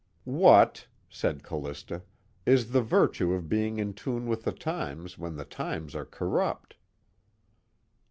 "What," said Callista, "is the virtue of being in tune with the times when the times are corrupt?"